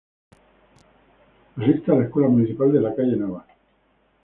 Asiste a la Escuela Municipal de la calle Navas.